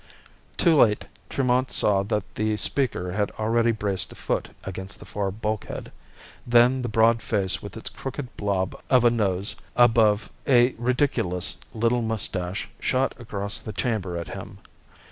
Too late, Tremont saw that the speaker had already braced a foot against the far bulkhead. Then the broad face with its crooked blob of a nose above a ridiculous little mustache shot across the chamber at him.